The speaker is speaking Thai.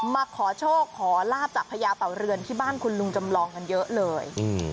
มาขอโชคขอลาบจากพญาเป่าเรือนที่บ้านคุณลุงจำลองกันเยอะเลย